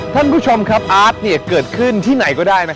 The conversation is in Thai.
ท่านผู้ชมครับอาร์ตเกิดขึ้นที่ไหนก็ได้